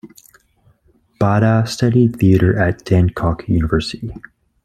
Bada studied theater at Dankook University.